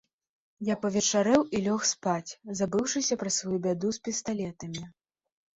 Я павячэраў і лёг спаць, забыўшыся пра сваю бяду з пісталетамі.